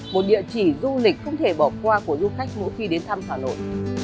một địa chỉ du lịch không thể bỏ qua của du khách mỗi khi đến thăm hà nội